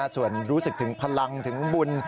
ส่วนรู้สึกถึงพลังถึงบุญ